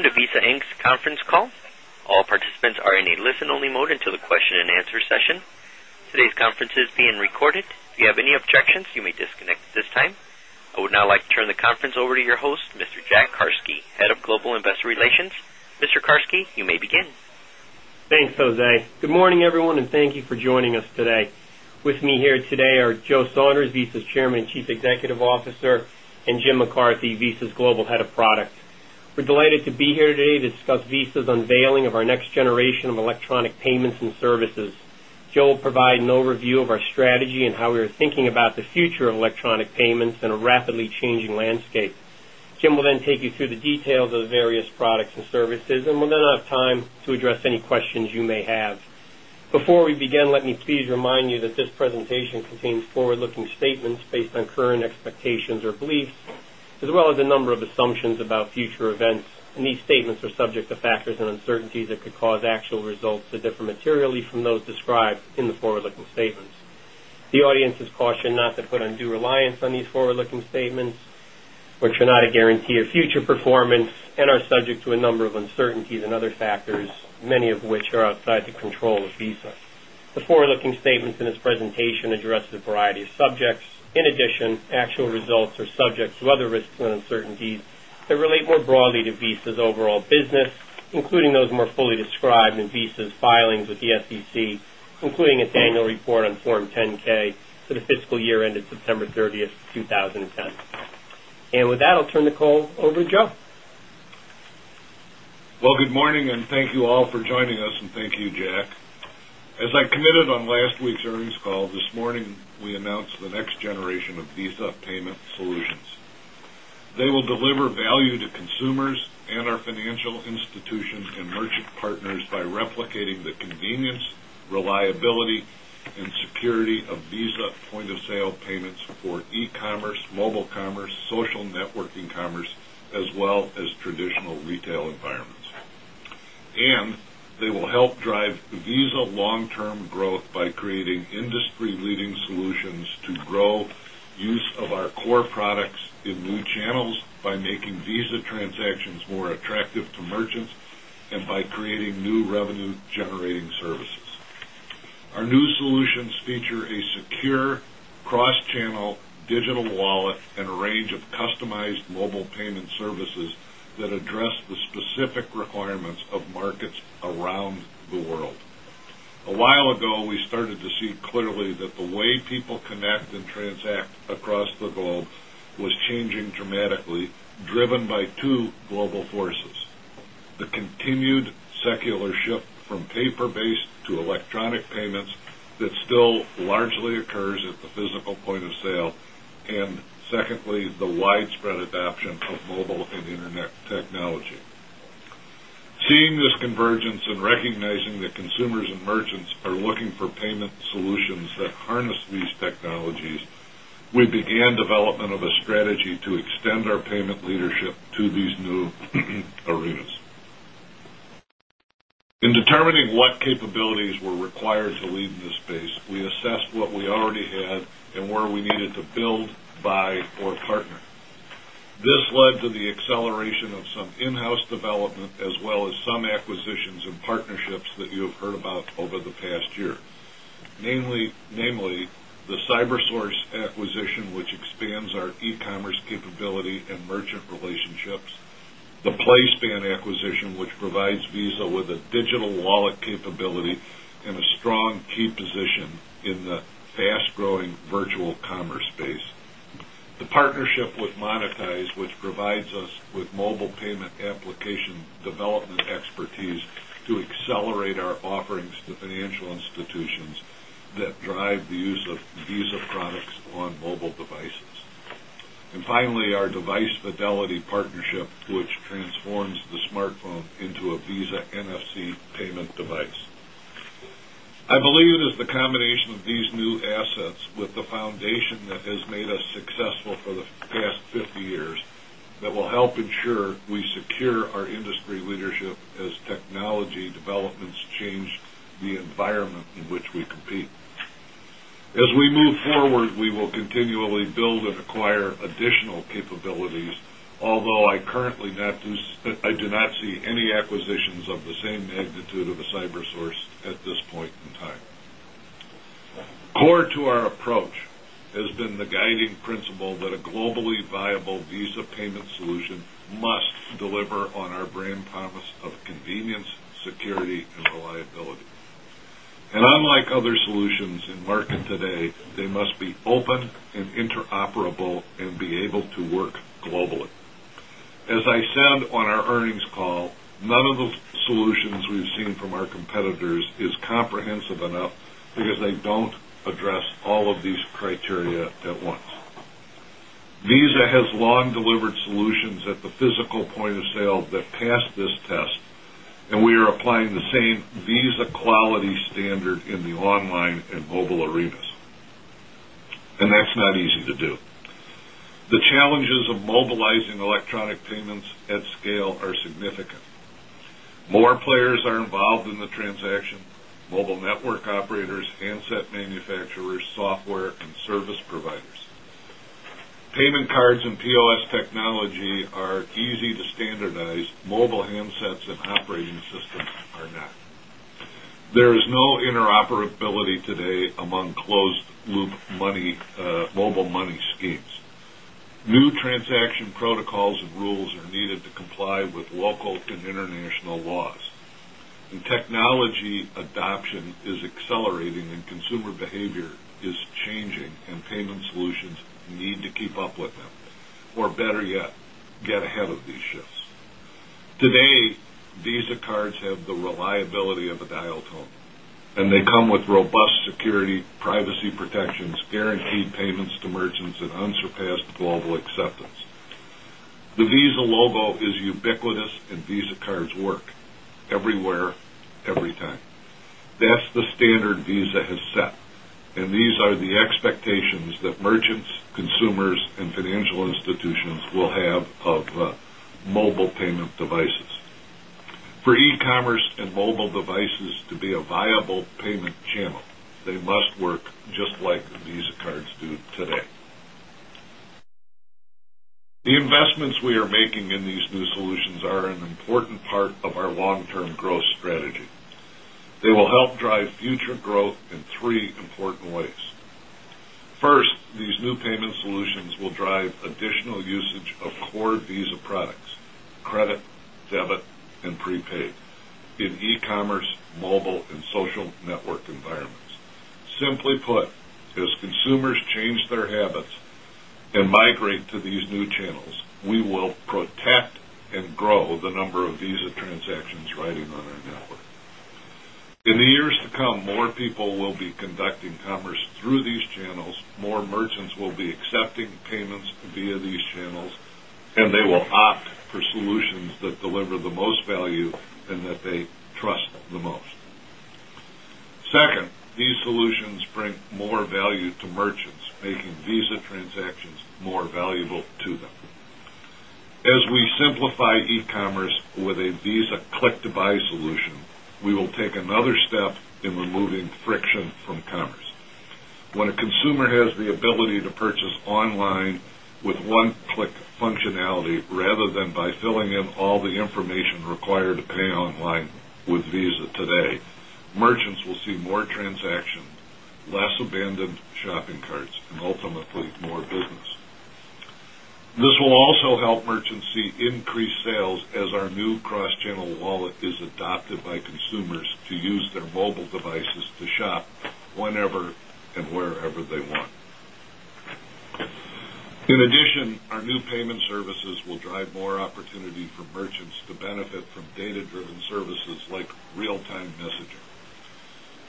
Welcome to Visa Inc.'s conference call. All participants are in a listen-only mode until the question and answer session. Today's conference is being recorded. If you have any objections, you may disconnect at this time. I would now like to turn the conference over to your host, Mr. Jack Carsky, Head of Global Investor Relations. Mr. Carsky, you may begin. Thanks, Jose. Good morning, everyone, and thank you for joining us today. With me here today are Joe Saunders, Visa's Chairman and Chief Executive Officer, and Jim McCarthy, Visa's Global Head of Product. We're delighted to be here today to discuss Visa's unveiling of our next generation of electronic payments and services. Joe will provide an overview of our strategy and how we are thinking about the future of electronic payments in a rapidly changing landscape. Jim will then take you through the details of the various products and services, and we'll then have time to address any questions you may have. Before we begin, let me please remind you that this presentation contains forward-looking statements based on current expectations or beliefs, as well as a number of assumptions about future events. These statements are subject to factors and uncertainties that could cause actual results to differ materially from those described in the forward-looking statements. The audience is cautioned not to put undue reliance on these forward-looking statements, which are not a guarantee of future performance and are subject to a number of uncertainties and other factors, many of which are outside the control of Visa. The forward-looking statements in this presentation address a variety of subjects. In addition, actual results are subject to other risks and uncertainties that relate more broadly to Visa's overall business, including those more fully described in Visa's filings with the SEC, including its annual report on Form 10-K for the fiscal year ended September 30, 2010. With that, I'll turn the call over to Joe. Good morning, and thank you all for joining us, and thank you, Jack. As I committed on last week's earnings call, this morning we announced the next generation of Visa payment solutions. They will deliver value to consumers and our financial institutions and merchant partners by replicating the convenience, reliability, and security of Visa point-of-sale payments for e-commerce, mobile commerce, social networking commerce, as well as traditional retail environments. They will help drive Visa long-term growth by creating industry-leading solutions to grow the use of our core products in new channels by making Visa transactions more attractive to merchants and by creating new revenue-generating services. Our new solutions feature a secure cross-channel digital wallet and a range of customized mobile payment services that address the specific requirements of markets around the world. A while ago, we started to see clearly that the way people connect and transact across the globe was changing dramatically, driven by two global forces: the continued secular shift from paper-based to electronic payments that still largely occurs at the physical point of sale, and secondly, the widespread adoption of mobile and internet technology. Seeing this convergence and recognizing that consumers and merchants are looking for payment solutions that harness these technologies, we began development of a strategy to extend our payment leadership to these new arenas. In determining what capabilities were required to lead in this space, we assessed what we already had and where we needed to build, buy, or partner. This led to the acceleration of some in-house development as well as some acquisitions and partnerships that you have heard about over the past year. Namely, the CyberSource acquisition, which expands our e-commerce capability and merchant relationships, the PlaySpan acquisition, which provides Visa with a digital wallet capability and a strong key position in the fast-growing virtual commerce space, the partnership with Monitise, which provides us with mobile payment application development expertise to accelerate our offerings to financial institutions that drive the use of Visa products on mobile devices, and finally, our Device Fidelity partnership, which transforms the smartphone into a Visa NFC payment device. I believe it is the combination of these new assets with the foundation that has made us successful for the past 50 years that will help ensure we secure our industry leadership as technology developments change the environment in which we compete. As we move forward, we will continually build and acquire additional capabilities, although I currently do not see any acquisitions of the same magnitude of a CyberSource at this point in time. Core to our approach has been the guiding principle that a globally viable Visa payment solution must deliver on our brand promise of convenience, security, and reliability. Unlike other solutions in market today, they must be open and interoperable and be able to work globally. As I said on our earnings call, none of the solutions we've seen from our competitors is comprehensive enough because they don't address all of these criteria at once. Visa has long delivered solutions at the physical point of sale that passed this test, and we are applying the same Visa quality standard in the online and mobile arenas. That's not easy to do. The challenges of mobilizing electronic payments at scale are significant. More players are involved in the transaction: mobile network operators, handset manufacturers, software, and service providers. Payment cards and POS technology are easy to standardize, mobile handsets and operating systems are not. There is no interoperability today among closed-loop mobile money schemes. New transaction protocols and rules are needed to comply with local and international laws. Technology adoption is accelerating, and consumer behavior is changing, and payment solutions need to keep up with them, or better yet, get ahead of these shifts. Today, Visa cards have the reliability of a dial tone, and they come with robust security, privacy protections, guaranteed payments to merchants, and unsurpassed global acceptance. The Visa logo is ubiquitous, and Visa cards work everywhere, every time. That's the standard Visa has set, and these are the expectations that merchants, consumers, and financial institutions will have of mobile payment devices. For e-commerce and mobile devices to be a viable payment channel, they must work just like Visa cards do today. The investments we are making in these new solutions are an important part of our long-term growth strategy. They will help drive future growth in three important ways. First, these new payment solutions will drive additional usage of core Visa products, credit, debit, and prepaid in e-commerce, mobile, and social network environments. Simply put, as consumers change their habits and migrate to these new channels, we will protect and grow the number of Visa transactions riding on our network. In the years to come, more people will be conducting commerce through these channels, more merchants will be accepting payments via these channels, and they will opt for solutions that deliver the most value and that they trust the most. Second, these solutions bring more value to merchants, making Visa transactions more valuable to them. As we simplify e-commerce with a Visa click-to-buy solution, we will take another step in removing friction from commerce. When a consumer has the ability to purchase online with one-click functionality rather than by filling in all the information required to pay online with Visa today, merchants will see more transactions, fewer abandoned shopping carts, and ultimately more business. This will also help merchants see increased sales as our new cross-channel wallet is adopted by consumers to use their mobile devices to shop whenever and wherever they want. In addition, our new payment services will drive more opportunity for merchants to benefit from data-driven services like real-time messaging.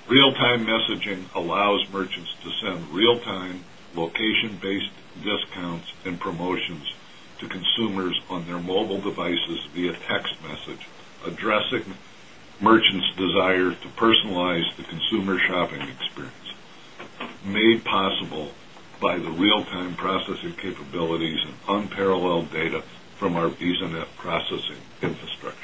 Real-time messaging allows merchants to send real-time, location-based discounts and promotions to consumers on their mobile devices via text message, addressing merchants' desire to personalize the consumer shopping experience, made possible by the real-time processing capabilities and unparalleled data from our VisaNet processing infrastructure.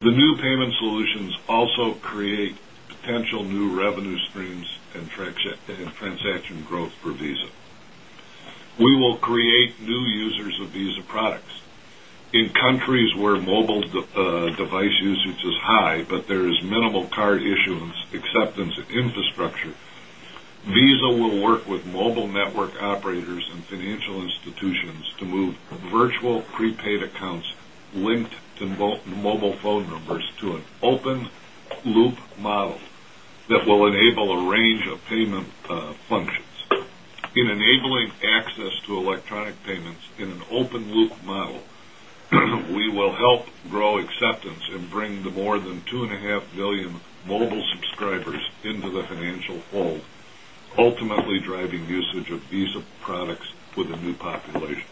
The new payment solutions also create potential new revenue streams and transaction growth for Visa. We will create new users of Visa products. In countries where mobile device usage is high but there is minimal card issuance acceptance infrastructure, Visa will work with mobile network operators and financial institutions to move virtual prepaid accounts linked to mobile phone numbers to an open-loop model that will enable a range of payment functions. In enabling access to electronic payments in an open-loop model, we will help grow acceptance and bring the more than 2.5 billion mobile subscribers into the financial fold, ultimately driving usage of Visa products for the new population.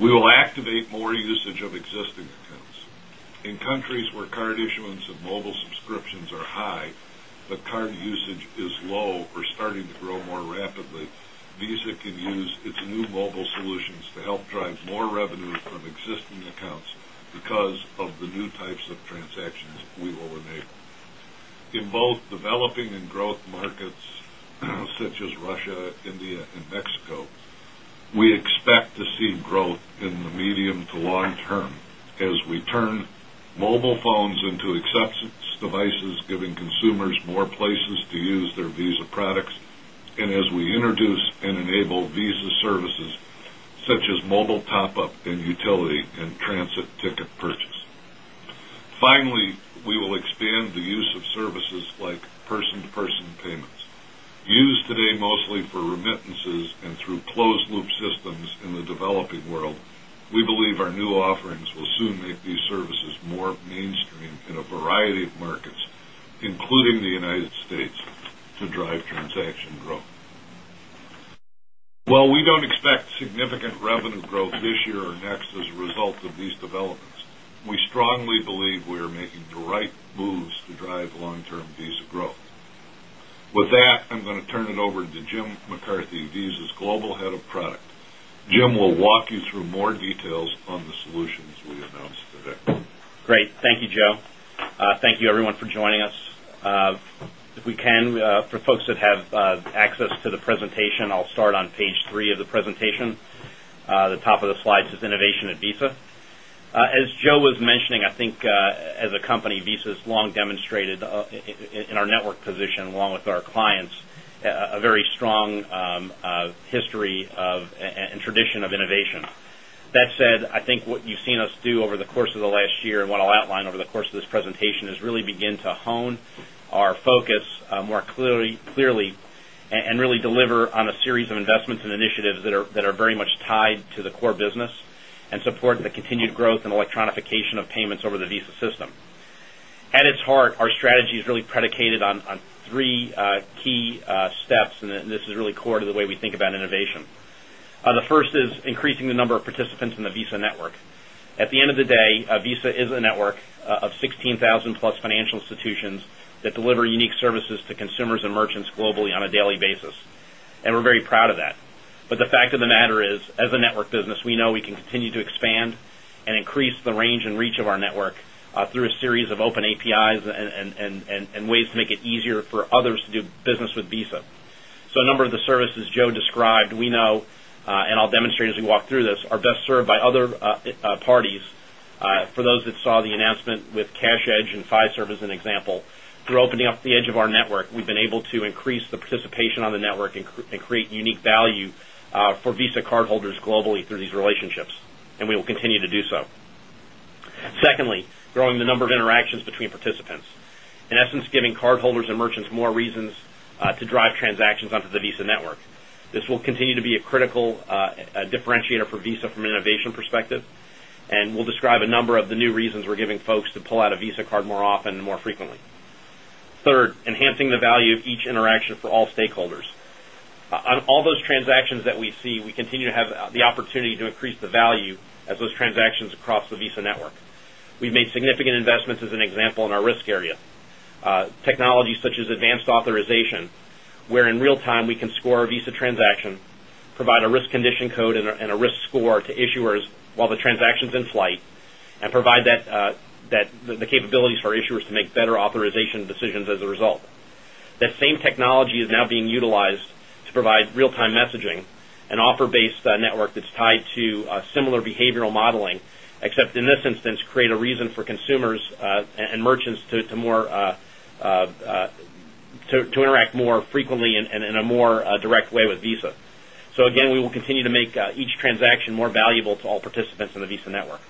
We will activate more usage of existing accounts. In countries where card issuance or mobile subscriptions are high but card usage is low or starting to grow more rapidly, Visa can use its new mobile solutions to help drive more revenue from existing accounts because of the new types of transactions we will enable. In both developing and growth markets, such as Russia, India, and Mexico, we expect to see growth in the medium to long term as we turn mobile phones into access devices, giving consumers more places to use their Visa products, and as we introduce and enable Visa services such as mobile top-up and utility and transit ticket purchase. Finally, we will expand the use of services like person-to-person payments. Used today mostly for remittances and through closed-loop systems in the developing world, we believe our new offerings will soon make these services more mainstream in a variety of markets, including the U.S., to drive transaction growth. While we don't expect significant revenue growth this year or next as a result of these developments, we strongly believe we are making the right moves to drive long-term Visa growth. With that, I'm going to turn it over to Jim McCarthy, Visa's Global Head of Product. Jim will walk you through more details on the solutions we announced today. Great. Thank you, Joe. Thank you, everyone, for joining us. If we can, for folks that have access to the presentation, I'll start on page three of the presentation. The top of the slide says Innovation at Visa. As Joe was mentioning, I think as a company, Visa has long demonstrated in our network position, along with our clients, a very strong history of and tradition of innovation. That said, I think what you've seen us do over the course of the last year and what I'll outline over the course of this presentation is really begin to hone our focus more clearly and really deliver on a series of investments and initiatives that are very much tied to the core business and support the continued growth and electronification of payments over the Visa system. At its heart, our strategy is really predicated on three key steps, and this is really core to the way we think about innovation. The first is increasing the number of participants in the Visa network. At the end of the day, Visa is a network of 16,000-plus financial institutions that deliver unique services to consumers and merchants globally on a daily basis. We're very proud of that. The fact of the matter is, as a network business, we know we can continue to expand and increase the range and reach of our network through a series of open APIs and ways to make it easier for others to do business with Visa. A number of the services Joe described, we know, and I'll demonstrate as we walk through this, are best served by other parties. For those that saw the announcement with CashEdge and Fiserv as an example, through opening up the edge of our network, we've been able to increase the participation on the network and create unique value for Visa cardholders globally through these relationships, and we will continue to do so. Secondly, growing the number of interactions between participants. In essence, giving cardholders and merchants more reasons to drive transactions onto the Visa network. This will continue to be a critical differentiator for Visa from an innovation perspective, and we'll describe a number of the new reasons we're giving folks to pull out a Visa card more often and more frequently. Third, enhancing the value of each interaction for all stakeholders. On all those transactions that we see, we continue to have the opportunity to increase the value of those transactions across the Visa network. We've made significant investments, as an example, in our risk area. Technology such as advanced authorization, where in real time we can score a Visa transaction, provide a risk condition code and a risk score to issuers while the transaction's in flight, and provide the capabilities for issuers to make better authorization decisions as a result. That same technology is now being utilized to provide real-time messaging, an offer-based network that's tied to similar behavioral modeling, except in this instance, create a reason for consumers and merchants to interact more frequently and in a more direct way with Visa. We will continue to make each transaction more valuable to all participants in the Visa network.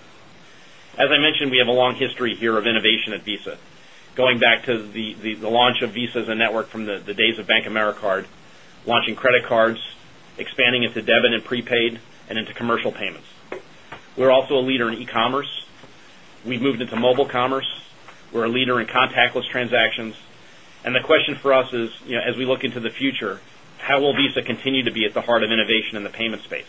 As I mentioned, we have a long history here of innovation at Visa, going back to the launch of Visa as a network from the days of Bank of America card, launching credit cards, expanding into debit and prepaid, and into commercial payments. We're also a leader in e-commerce. We've moved into mobile commerce. We're a leader in contactless transactions. The question for us is, you know, as we look into the future, how will Visa continue to be at the heart of innovation in the payment space?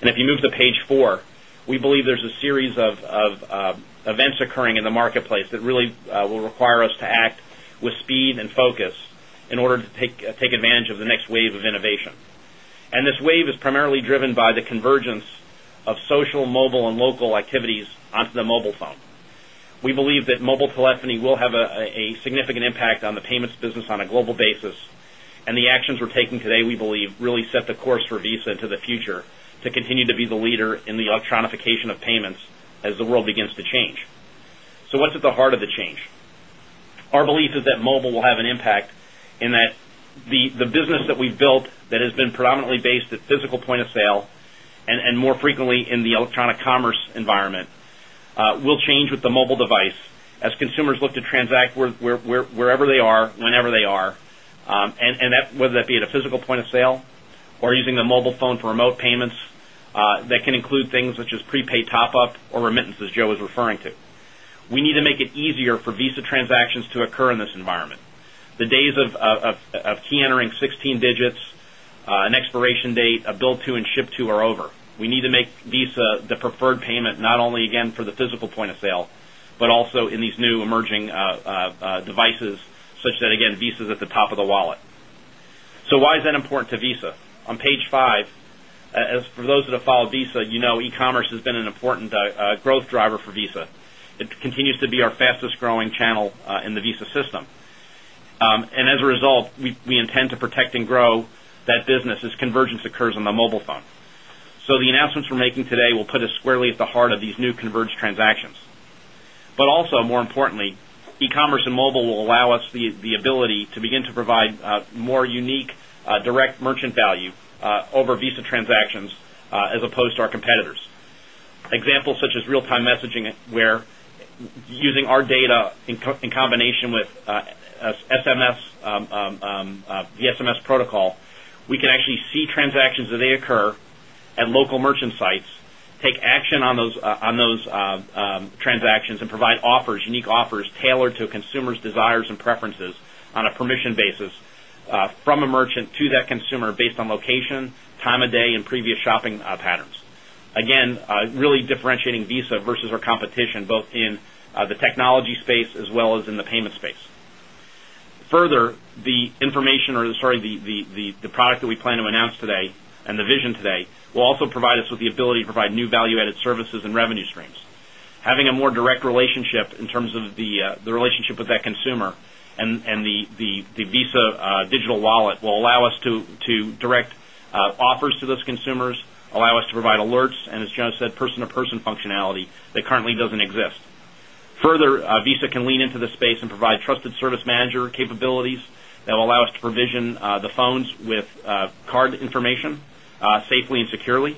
If you move to page four, we believe there's a series of events occurring in the marketplace that really will require us to act with speed and focus in order to take advantage of the next wave of innovation. This wave is primarily driven by the convergence of social, mobile, and local activities onto the mobile phone. We believe that mobile telephony will have a significant impact on the payments business on a global basis, and the actions we're taking today, we believe, really set the course for Visa into the future to continue to be the leader in the electronification of payments as the world begins to change. What's at the heart of the change? Our belief is that mobile will have an impact in that the business that we've built that has been predominantly based at physical point of sale and more frequently in the electronic commerce environment, will change with the mobile device as consumers look to transact wherever they are, whenever they are, and that whether that be at a physical point of sale or using the mobile phone for remote payments, that can include things such as prepaid top-up or remittances, as Joe was referring to. We need to make it easier for Visa transactions to occur in this environment. The days of key entering 16 digits, an expiration date, a bill to and ship to are over. We need to make Visa the preferred payment not only, again, for the physical point of sale but also in these new emerging devices such that, again, Visa is at the top of the wallet. Why is that important to Visa? On page five, as for those that have followed Visa, you know e-commerce has been an important growth driver for Visa. It continues to be our fastest growing channel in the Visa system, and as a result, we intend to protect and grow that business as convergence occurs on the mobile phone. The announcements we're making today will put us squarely at the heart of these new converged transactions. More importantly, e-commerce and mobile will allow us the ability to begin to provide more unique, direct merchant value over Visa transactions, as opposed to our competitors. Examples such as real-time messaging where, using our data in combination with the SMS protocol, we can actually see transactions as they occur at local merchant sites, take action on those transactions, and provide unique offers tailored to a consumer's desires and preferences on a permission basis, from a merchant to that consumer based on location, time of day, and previous shopping patterns. This really differentiates Visa versus our competition both in the technology space as well as in the payment space. Further, the product that we plan to announce today and the vision today will also provide us with the ability to provide new value-added services and revenue streams. Having a more direct relationship in terms of the relationship with that consumer and the Visa digital wallet will allow us to direct offers to those consumers, allow us to provide alerts, and, as Joe said, person-to-person functionality that currently doesn't exist. Further, Visa can lean into the space and provide trusted service manager capabilities that will allow us to provision the phones with card information safely and securely,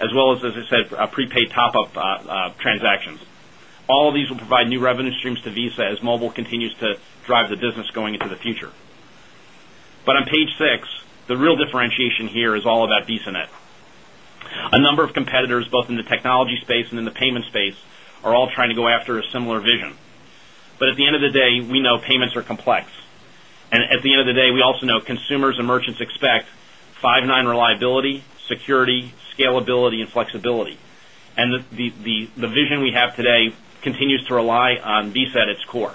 as well as, as I said, prepaid top-up transactions. All of these will provide new revenue streams to Visa as mobile continues to drive the business going into the future. On page six, the real differentiation here is all about VisaNet. A number of competitors, both in the technology space and in the payment space, are all trying to go after a similar vision. At the end of the day, we know payments are complex. At the end of the day, we also know consumers and merchants expect five-nine reliability, security, scalability, and flexibility. The vision we have today continues to rely on Visa at its core.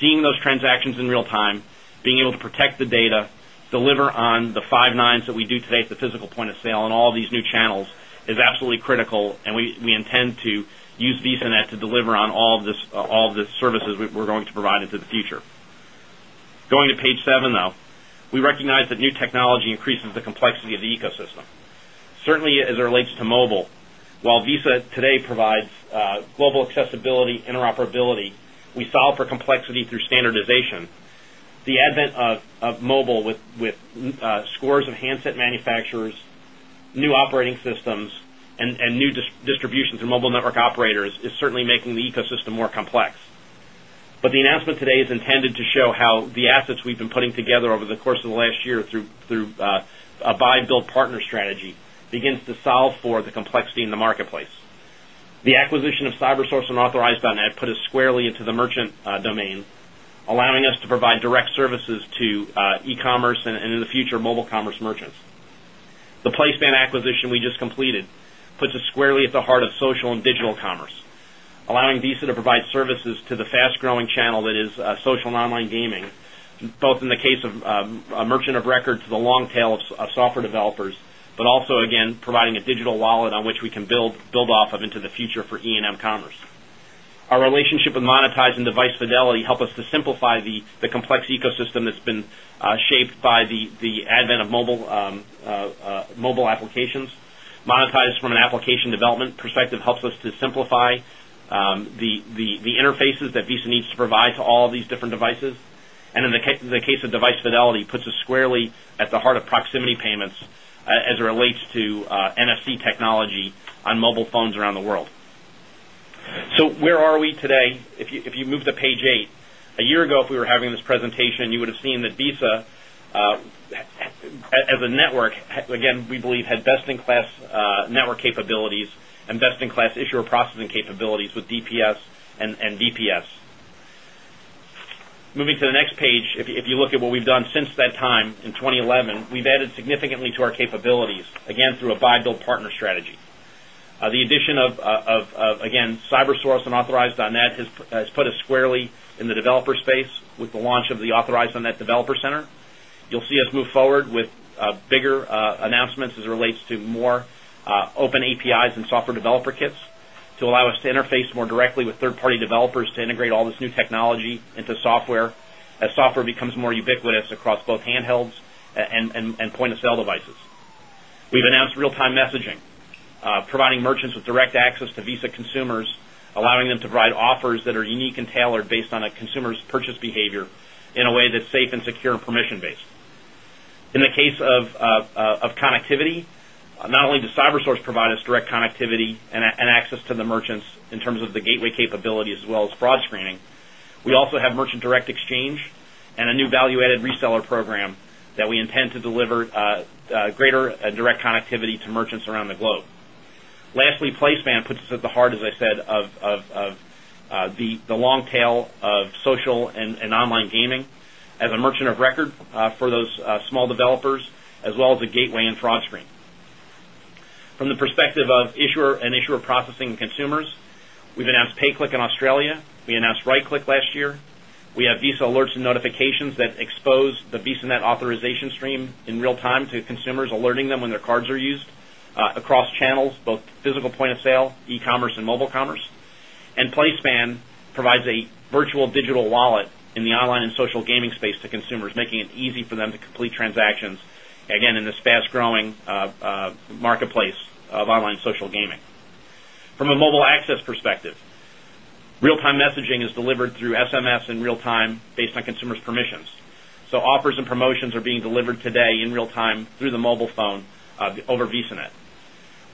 Seeing those transactions in real time, being able to protect the data, deliver on the five-nines that we do today at the physical point of sale on all of these new channels is absolutely critical, and we intend to use VisaNet to deliver on all of the services we're going to provide into the future. Going to page seven, we recognize that new technology increases the complexity of the ecosystem. Certainly, as it relates to mobile, while Visa today provides global accessibility and interoperability, we solve for complexity through standardization. The advent of mobile with scores of handset manufacturers, new operating systems, and new distribution through mobile network operators is certainly making the ecosystem more complex. The announcement today is intended to show how the assets we've been putting together over the course of the last year through a buy-build-partner strategy begin to solve for the complexity in the marketplace. The acquisition of CyberSource and Authorize.net put us squarely into the merchant domain, allowing us to provide direct services to e-commerce and, in the future, mobile commerce merchants. The PlaySpan acquisition we just completed puts us squarely at the heart of social and digital commerce, allowing Visa to provide services to the fast-growing channel that is social and online gaming, both in the case of a merchant of record, the long tail of software developers, but also, again, providing a digital wallet on which we can build off of into the future for E&M commerce. Our relationship with Monitise and Device Fidelity helps us to simplify the complex ecosystem that's been shaped by the advent of mobile applications. Monitise, from an application development perspective, helps us to simplify the interfaces that Visa needs to provide to all of these different devices. In the case of Device Fidelity, it puts us squarely at the heart of proximity payments as it relates to NFC technology on mobile phones around the world. Where are we today? If you move to page eight, a year ago, if we were having this presentation, you would have seen that Visa, as a network, again, we believe had best-in-class network capabilities and best-in-class issuer processing capabilities with DPS and VPS. Moving to the next page, if you look at what we've done since that time in 2011, we've added significantly to our capabilities, again, through a buy-build-partner strategy. The addition of, again, CyberSource and Authorize.net has put us squarely in the developer space with the launch of the Authorize.net Developer Center. You'll see us move forward with bigger announcements as it relates to more open APIs and software developer kits to allow us to interface more directly with third-party developers to integrate all this new technology into software as software becomes more ubiquitous across both handhelds and point-of-sale devices. We've announced real-time messaging, providing merchants with direct access to Visa consumers, allowing them to provide offers that are unique and tailored based on a consumer's purchase behavior in a way that's safe and secure and permission-based. In the case of connectivity, not only does CyberSource provide us direct connectivity and access to the merchants in terms of the gateway capability as well as fraud screening, we also have Merchant Direct Exchange and a new value-added reseller program that we intend to deliver greater direct connectivity to merchants around the globe. Lastly, PlaySpan puts us at the heart, as I said, of the long tail of social and online gaming as a merchant of record for those small developers as well as a gateway and fraud screen. From the perspective of issuer and issuer processing and consumers, we've announced PayClick in Australia. We announced RightClick last year. We have Visa alerts and notifications that expose the VisaNet authorization stream in real time to consumers, alerting them when their cards are used across channels, both physical point of sale, e-commerce, and mobile commerce. PlaySpan provides a virtual digital wallet in the online and social gaming space to consumers, making it easy for them to complete transactions, again, in this fast-growing marketplace of online social gaming. From a mobile access perspective, real-time messaging is delivered through SMS in real time based on consumers' permissions. Offers and promotions are being delivered today in real time through the mobile phone over VisaNet.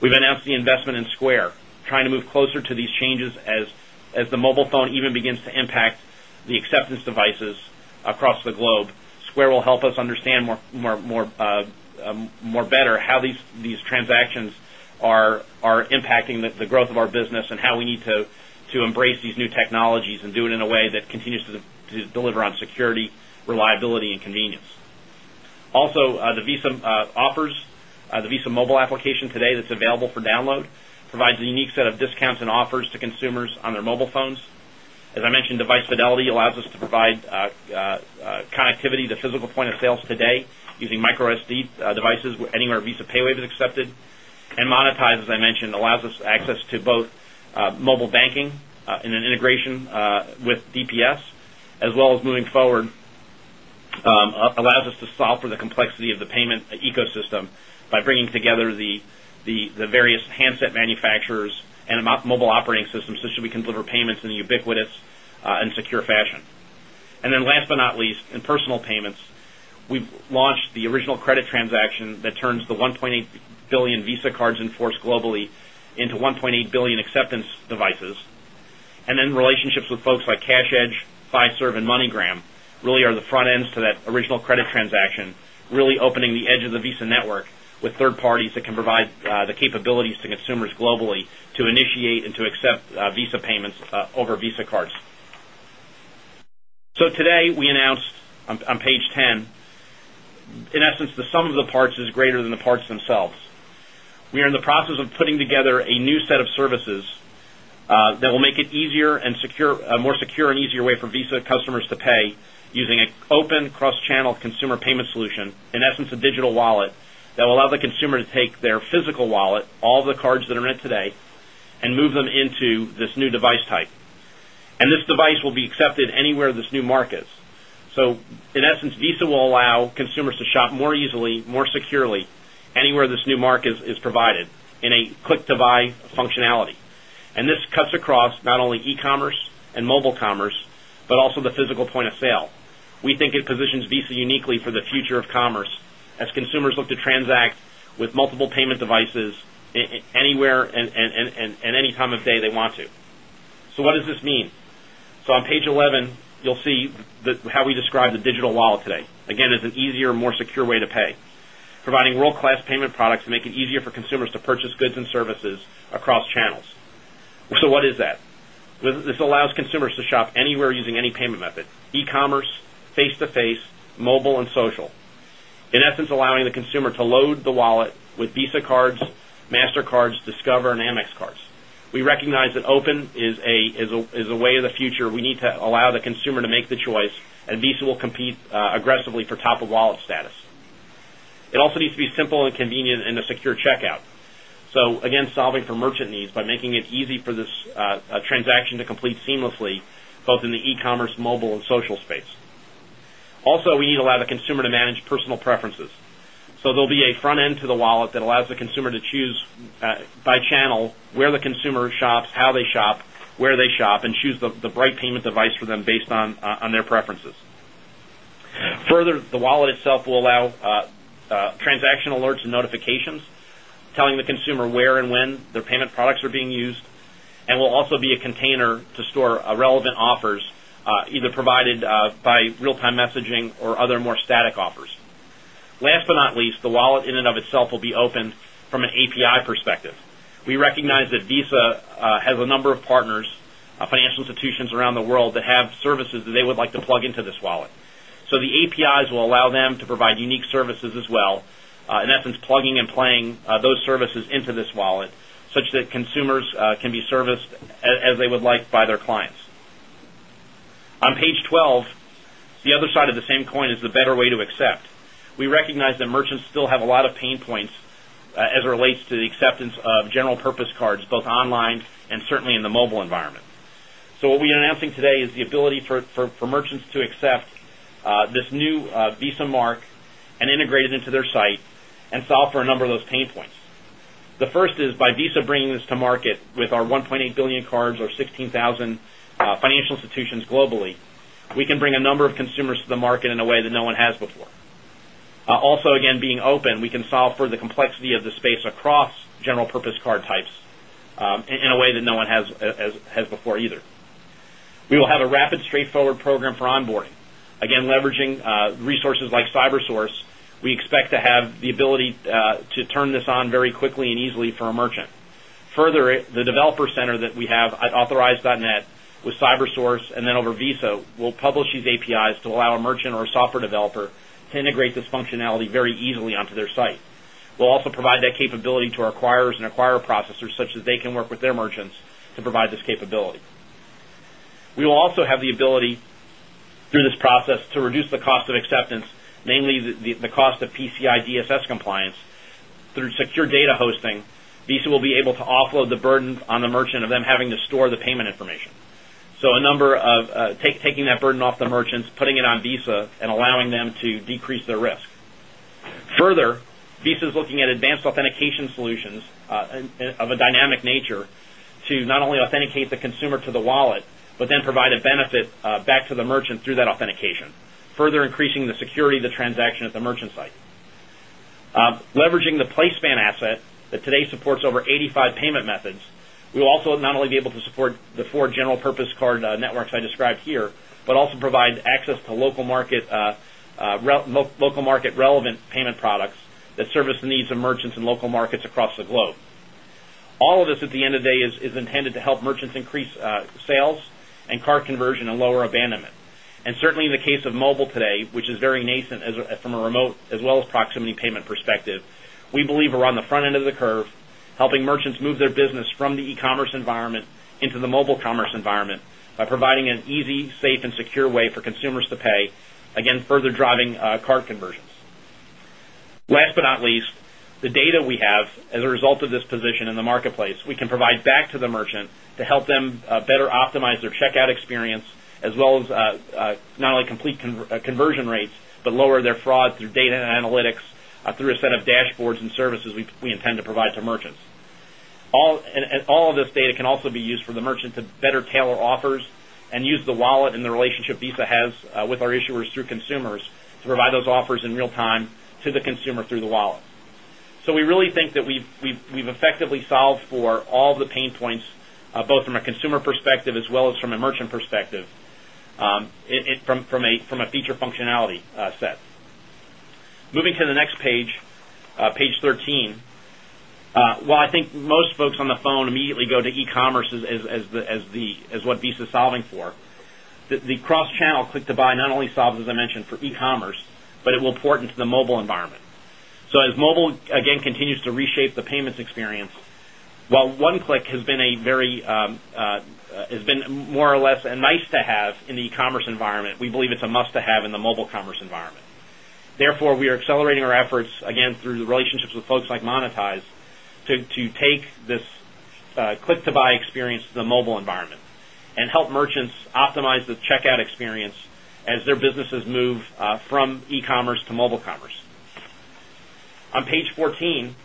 We've announced the investment in Square, trying to move closer to these changes as the mobile phone even begins to impact the acceptance devices across the globe. Square will help us understand more better how these transactions are impacting the growth of our business and how we need to embrace these new technologies and do it in a way that continues to deliver on security, reliability, and convenience. Also, the Visa mobile application today that's available for download provides a unique set of discounts and offers to consumers on their mobile phones. As I mentioned, Device Fidelity allows us to provide connectivity to physical point of sales today using microSD devices anywhere Visa payWave is accepted. Monitise, as I mentioned, allows us access to both mobile banking in an integration with DPS, as well as moving forward, allows us to solve for the complexity of the payment ecosystem by bringing together the various handset manufacturers and a mobile operating system so we can deliver payments in a ubiquitous and secure fashion. Last but not least, in personal payments, we've launched the original credit transaction that turns the 1.8 billion Visa cards enforced globally into 1.8 billion acceptance devices. Relationships with folks like CashEdge, Fiserv, and MoneyGram really are the front ends to that original credit transaction, really opening the edge of the Visa network with third parties that can provide the capabilities to consumers globally to initiate and to accept Visa payments over Visa cards. Today we announced on page 10, in essence, the sum of the parts is greater than the parts themselves. We are in the process of putting together a new set of services that will make it easier and a more secure and easier way for Visa customers to pay using an open cross-channel consumer payment solution, in essence, a digital wallet that will allow the consumer to take their physical wallet, all of the cards that are in it today, and move them into this new device type. This device will be accepted anywhere this new market is. In essence, Visa will allow consumers to shop more easily, more securely, anywhere this new market is provided in a click-to-buy functionality. This cuts across not only e-commerce and mobile commerce but also the physical point of sale. We think it positions Visa uniquely for the future of commerce as consumers look to transact with multiple payment devices anywhere and any time of day they want to. What does this mean? On page 11, you'll see how we describe the digital wallet today, again, as an easier, more secure way to pay, providing world-class payment products to make it easier for consumers to purchase goods and services across channels. What is that? This allows consumers to shop anywhere using any payment method: e-commerce, face-to-face, mobile, and social, in essence, allowing the consumer to load the wallet with Visa cards, Mastercards, Discover, and Amex cards. We recognize that open is a way of the future. We need to allow the consumer to make the choice, and Visa will compete aggressively for top-of-wallet status. It also needs to be simple and convenient in a secure checkout. Again, solving for merchant needs by making it easy for this transaction to complete seamlessly, both in the e-commerce, mobile, and social space. We need to allow the consumer to manage personal preferences. There will be a front end to the wallet that allows the consumer to choose by channel where the consumer shops, how they shop, where they shop, and choose the right payment device for them based on their preferences. Further, the wallet itself will allow transaction alerts and notifications, telling the consumer where and when their payment products are being used, and will also be a container to store relevant offers, either provided by real-time messaging or other more static offers. Last but not least, the wallet in and of itself will be open from an API perspective. We recognize that Visa has a number of partners, financial institutions around the world that have services that they would like to plug into this wallet. The APIs will allow them to provide unique services as well, in essence, plugging and playing those services into this wallet such that consumers can be serviced as they would like by their clients. On page 12, the other side of the same coin is the better way to accept. We recognize that merchants still have a lot of pain points as it relates to the acceptance of general-purpose cards, both online and certainly in the mobile environment. What we're announcing today is the ability for merchants to accept this new Visa mark and integrate it into their site and solve for a number of those pain points. The first is by Visa bringing this to market with our 1.8 billion cards or 16,000 financial institutions globally, we can bring a number of consumers to the market in a way that no one has before. Also, again, being open, we can solve for the complexity of the space across general-purpose card types in a way that no one has before either. We will have a rapid, straightforward program for onboarding. Again, leveraging resources like CyberSource, we expect to have the ability to turn this on very quickly and easily for a merchant. Further, the developer center that we have at Authorize.net with CyberSource and then over Visa will publish these APIs to allow a merchant or a software developer to integrate this functionality very easily onto their site. We'll also provide that capability to our acquirers and acquirer processors, such as they can work with their merchants to provide this capability. We will also have the ability, through this process, to reduce the cost of acceptance, namely the cost of PCI DSS compliance through secure data hosting. Visa will be able to offload the burden on the merchant of them having to store the payment information. Taking that burden off the merchants, putting it on Visa, and allowing them to decrease their risk. Further, Visa is looking at advanced authentication solutions of a dynamic nature to not only authenticate the consumer to the wallet but then provide a benefit back to the merchant through that authentication, further increasing the security of the transaction at the merchant site. Leveraging the PlaySpan asset that today supports over 85 payment methods, we will also not only be able to support the four general-purpose card networks I described here but also provide access to local market relevant payment products that service the needs of merchants in local markets across the globe. All of this, at the end of the day, is intended to help merchants increase sales and card conversion and lower abandonment. In the case of mobile today, which is very nascent from a remote as well as proximity payment perspective, we believe we're on the front end of the curve, helping merchants move their business from the e-commerce environment into the mobile commerce environment by providing an easy, safe, and secure way for consumers to pay, again, further driving card conversions. Last but not least, the data we have as a result of this position in the marketplace, we can provide back to the merchant to help them better optimize their checkout experience as well as not only complete conversion rates but lower their fraud through data and analytics through a set of dashboards and services we intend to provide to merchants. All of this data can also be used for the merchant to better tailor offers and use the wallet and the relationship Visa has with our issuers through consumers to provide those offers in real time to the consumer through the wallet. We really think that we've effectively solved for all of the pain points, both from a consumer perspective as well as from a merchant perspective from a feature functionality set. Moving to the next page, page 13, while I think most folks on the phone immediately go to e-commerce as what Visa is solving for, the cross-channel click-to-buy not only solves, as I mentioned, for e-commerce, but it will port into the mobile environment. As mobile, again, continues to reshape the payments experience, while one-click has been more or less a nice-to-have in the e-commerce environment, we believe it's a must-to-have in the mobile commerce environment. Therefore, we are accelerating our efforts, again, through the relationships with folks like Monitise to take this click-to-buy experience to the mobile environment and help merchants optimize the checkout experience as their businesses move from e-commerce to mobile commerce. On page 14,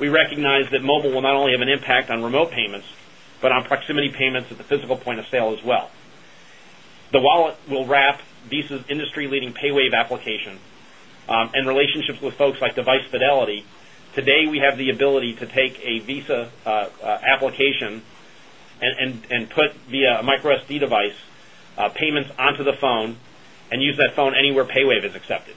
we recognize that mobile will not only have an impact on remote payments but on proximity payments at the physical point of sale as well. The wallet will wrap Visa's industry-leading payWave application and relationships with folks like Device Fidelity. Today, we have the ability to take a Visa application and put, via a microSD device, payments onto the phone and use that phone anywhere payWave is accepted.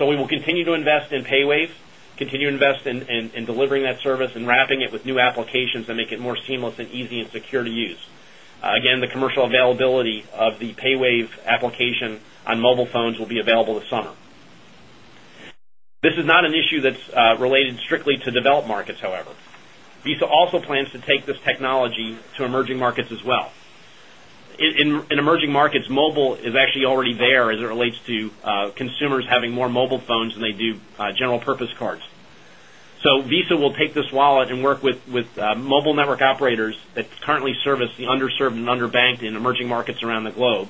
We will continue to invest in payWave, continue to invest in delivering that service and wrapping it with new applications that make it more seamless and easy and secure to use. The commercial availability of the payWave application on mobile phones will be available this summer. This is not an issue that's related strictly to developed markets, however. Visa also plans to take this technology to emerging markets as well. In emerging markets, mobile is actually already there as it relates to consumers having more mobile phones than they do general-purpose cards. Visa will take this wallet and work with mobile network operators that currently service the underserved and underbanked in emerging markets around the globe,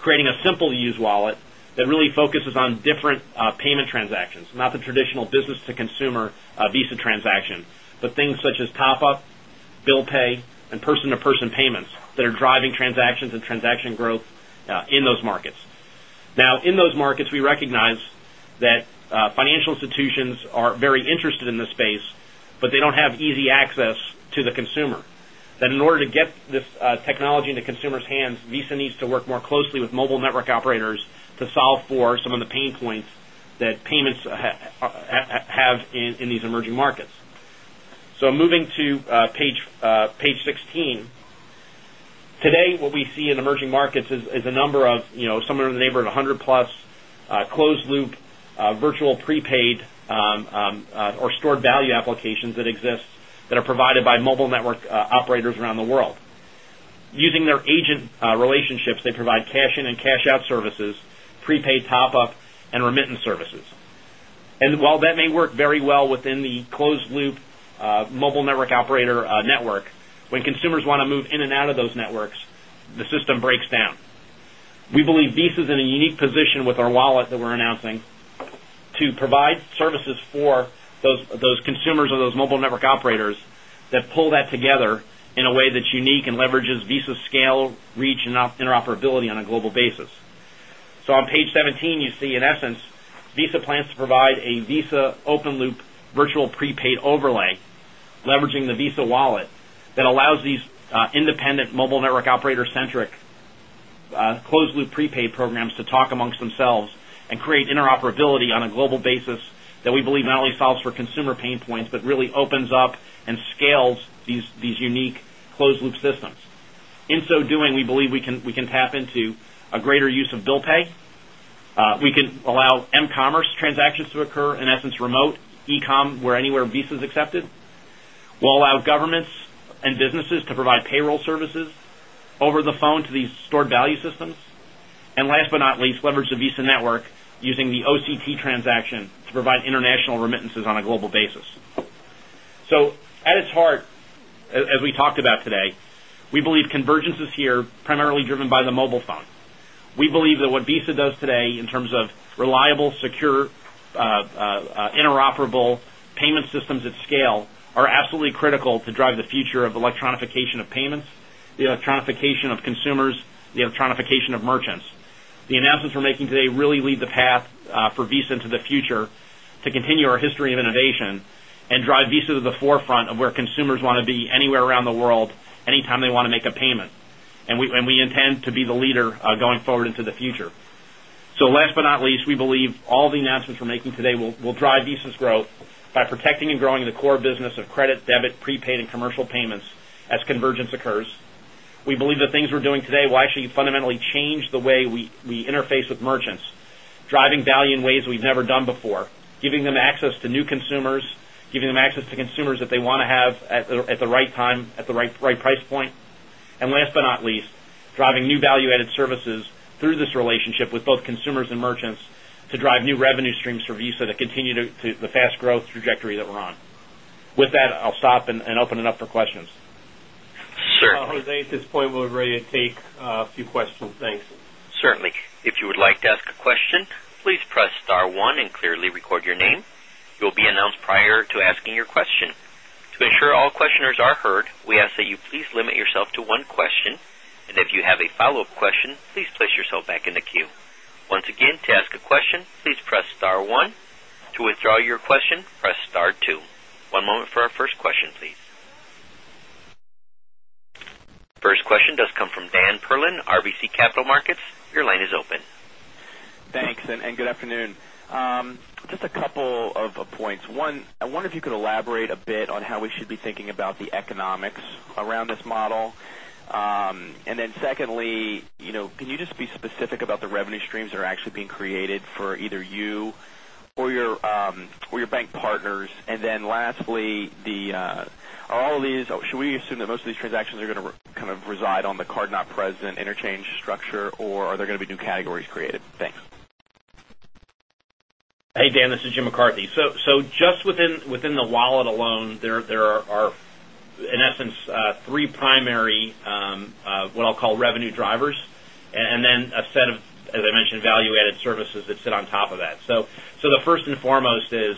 creating a simple-to-use wallet that really focuses on different payment transactions, not the traditional business-to-consumer Visa transaction, but things such as top-up, bill pay, and person-to-person payments that are driving transactions and transaction growth in those markets. In those markets, we recognize that financial institutions are very interested in this space, but they don't have easy access to the consumer. In order to get this technology in the consumer's hands, Visa needs to work more closely with mobile network operators to solve for some of the pain points that payments have in these emerging markets. Moving to page 16, today, what we see in emerging markets is a number of somewhere in the neighborhood of 100-plus closed-loop virtual prepaid or stored value applications that exist that are provided by mobile network operators around the world. Using their agent relationships, they provide cash-in and cash-out services, prepaid top-up, and remittance services. While that may work very well within the closed-loop mobile network operator network, when consumers want to move in and out of those networks, the system breaks down. We believe Visa is in a unique position with our wallet that we're announcing to provide services for those consumers or those mobile network operators that pull that together in a way that's unique and leverages Visa's scale, reach, and interoperability on a global basis. On page 17, you see, in essence, Visa plans to provide a Visa open-loop virtual prepaid overlay, leveraging the Visa wallet that allows these independent mobile network operator-centric closed-loop prepaid programs to talk amongst themselves and create interoperability on a global basis that we believe not only solves for consumer pain points but really opens up and scales these unique closed-loop systems. In so doing, we believe we can tap into a greater use of bill pay. We can allow e-commerce transactions to occur, in essence, remote e-com where anywhere Visa is accepted. We'll allow governments and businesses to provide payroll services over the phone to these stored value systems. Last but not least, leverage the Visa network using the OCT transaction to provide international remittances on a global basis. At its heart, as we talked about today, we believe convergence is here primarily driven by the mobile phone. We believe that what Visa does today in terms of reliable, secure, interoperable payment systems at scale are absolutely critical to drive the future of electronification of payments, the electronification of consumers, the electronification of merchants. The announcements we're making today really lead the path for Visa into the future to continue our history of innovation and drive Visa to the forefront of where consumers want to be anywhere around the world anytime they want to make a payment. We intend to be the leader going forward into the future. Last but not least, we believe all the announcements we're making today will drive Visa's growth by protecting and growing the core business of credit, debit, prepaid, and commercial payments as convergence occurs. We believe the things we're doing today will actually fundamentally change the way we interface with merchants, driving value in ways we've never done before, giving them access to new consumers, giving them access to consumers that they want to have at the right time, at the right price point, and last but not least, driving new value-added services through this relationship with both consumers and merchants to drive new revenue streams for Visa to continue the fast-growth trajectory that we're on. With that, I'll stop and open it up for questions. Sure. Jose, at this point, we're ready to take a few questions. Thanks. Certainly. If you would like to ask a question, please press star one and clearly record your name. You'll be announced prior to asking your question. To ensure all questioners are heard, we ask that you please limit yourself to one question. If you have a follow-up question, please place yourself back in the queue. Once again, to ask a question, please press star one. To withdraw your question, press star two. One moment for our first question, please. First question does come from Dan Perlin, RBC Capital Markets. Your line is open. Thanks, and good afternoon. Just a couple of points. One, I wonder if you could elaborate a bit on how we should be thinking about the economics around this model. Secondly, can you just be specific about the revenue streams that are actually being created for either you or your bank partners? Lastly, are all of these, or should we assume that most of these transactions are going to kind of reside on the card not present interchange structure, or are there going to be new categories created? Thanks. Hey, Dan. This is Jim McCarthy. Just within the wallet alone, there are, in essence, three primary, what I'll call revenue drivers, and then a set of, as I mentioned, value-added services that sit on top of that. The first and foremost is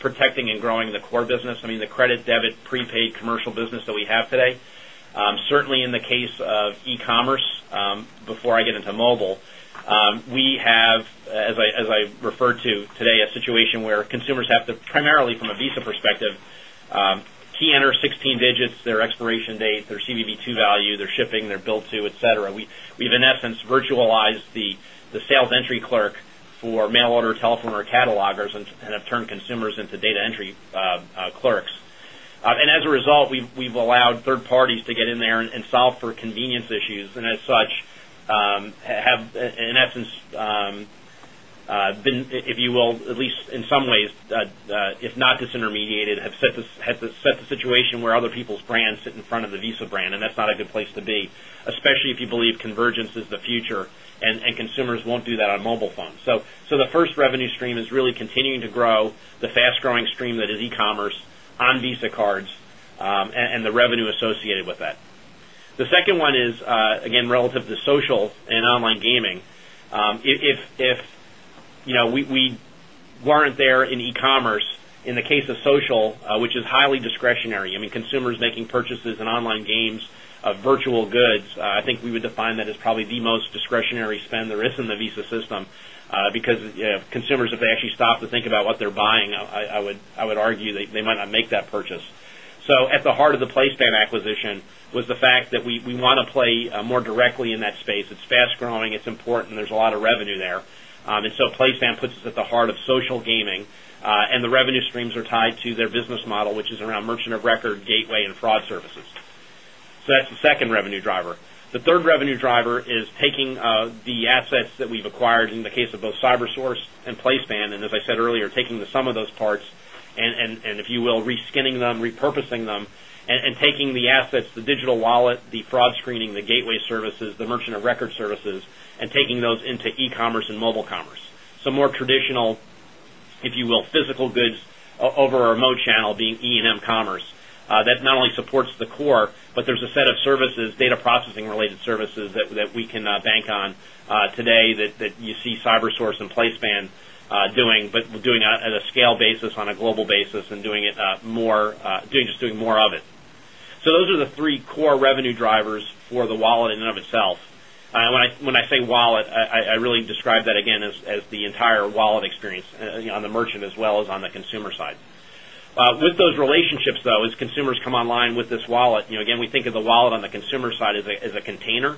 protecting and growing the core business, I mean, the credit, debit, prepaid commercial business that we have today. Certainly, in the case of e-commerce, before I get into mobile, we have, as I referred to today, a situation where consumers have to, primarily from a Visa perspective, key enter 16 digits, their expiration date, their CVV2 value, their shipping, their bill to, etc. We've, in essence, virtualized the sales entry clerk for mail order, telephone, or catalogers and have turned consumers into data entry clerks. As a result, we've allowed third parties to get in there and solve for convenience issues. In essence, we've been, if you will, at least in some ways, if not disintermediated, have set the situation where other people's brands sit in front of the Visa brand. That's not a good place to be, especially if you believe convergence is the future and consumers won't do that on mobile phones. The first revenue stream is really continuing to grow, the fast-growing stream that is e-commerce on Visa cards and the revenue associated with that. The second one is, again, relative to social and online gaming. If we weren't there in e-commerce, in the case of social, which is highly discretionary, I mean, consumers making purchases in online games of virtual goods, I think we would define that as probably the most discretionary spend there is in the Visa system because consumers, if they actually stop to think about what they're buying, I would argue they might not make that purchase. At the heart of the PlaySpan acquisition was the fact that we want to play more directly in that space. It's fast-growing. It's important. There's a lot of revenue there. PlaySpan puts us at the heart of social gaming. The revenue streams are tied to their business model, which is around merchant of record, gateway, and fraud services. That's the second revenue driver. The third revenue driver is taking the assets that we've acquired in the case of both CyberSource and PlaySpan, and as I said earlier, taking the sum of those parts and, if you will, reskinning them, repurposing them, and taking the assets, the digital wallet, the fraud screening, the gateway services, the merchant of record services, and taking those into e-commerce and mobile commerce. More traditional, if you will, physical goods over a remote channel being E&M commerce that not only supports the core, but there's a set of services, data processing-related services that we can bank on today that you see CyberSource and PlaySpan doing, but doing it at a scale basis on a global basis and doing it more, just doing more of it. Those are the three core revenue drivers for the wallet in and of itself. When I say wallet, I really describe that, again, as the entire wallet experience on the merchant as well as on the consumer side. With those relationships, though, as consumers come online with this wallet, you know, again, we think of the wallet on the consumer side as a container.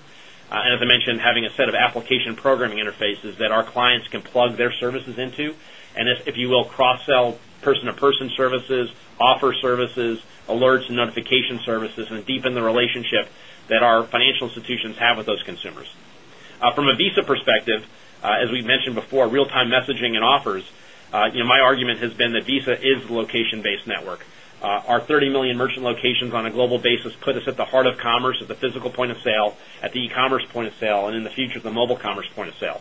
As I mentioned, having a set of application programming interfaces that our clients can plug their services into, and if you will, cross-sell person-to-person services, offer services, alerts, and notification services, and deepen the relationship that our financial institutions have with those consumers. From a Visa perspective, as we mentioned before, real-time messaging and offers, you know, my argument has been that Visa is the location-based network. Our 30 million merchant locations on a global basis put us at the heart of commerce, at the physical point of sale, at the e-commerce point of sale, and in the future, the mobile commerce point of sale.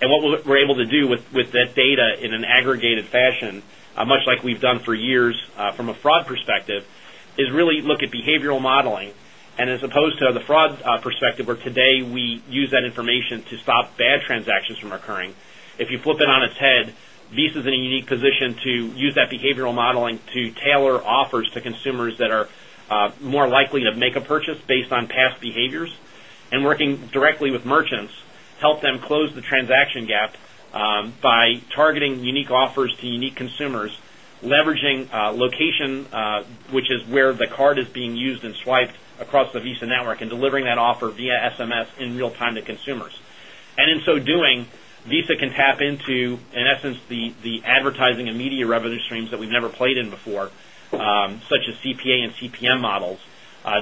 What we're able to do with that data in an aggregated fashion, much like we've done for years from a fraud perspective, is really look at behavioral modeling. As opposed to the fraud perspective, where today we use that information to stop bad transactions from occurring, if you flip it on its head, Visa is in a unique position to use that behavioral modeling to tailor offers to consumers that are more likely to make a purchase based on past behaviors. Working directly with merchants helped them close the transaction gap by targeting unique offers to unique consumers, leveraging location, which is where the card is being used and swiped across the Visa network, and delivering that offer via SMS in real time to consumers. In so doing, Visa can tap into, in essence, the advertising and media revenue streams that we've never played in before, such as CPA and CPM models,